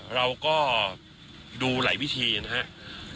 เราก็ดูหลายวิธีนะครับ